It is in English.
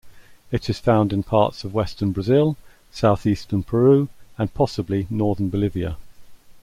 It is found in parts of western Brazil, southeastern Peru and possibly northern Bolivia.